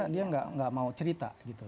dia nggak mau cerita gitu